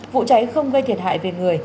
vụ cháy không gây thiệt hại về người